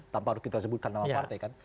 tanpa harus kita sebutkan nama partai kan